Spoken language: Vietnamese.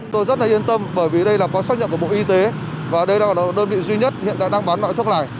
tôi rất là yên tâm bởi vì đây là có xác nhận của bộ y tế và đây là đơn vị duy nhất hiện tại đang bán loại thuốc này